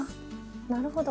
なるほど。